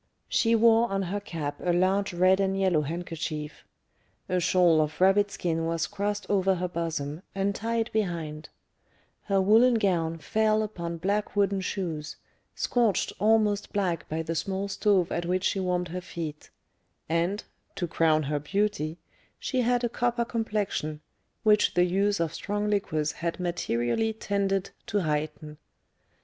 She wore on her cap a large red and yellow handkerchief; a shawl of rabbit skin was crossed over her bosom, and tied behind; her woollen gown fell upon black wooden shoes, scorched almost black by the small stove at which she warmed her feet; and, to crown her beauty, she had a copper complexion, which the use of strong liquors had materially tended to heighten.